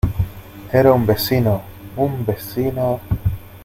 era un vecino... un vecino .